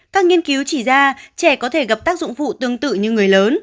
các nghiên cứu chỉ ra trẻ có thể gặp tác dụng phụ tương tự như người lớn